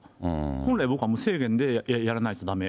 本来、僕は無制限でやらないとだめ。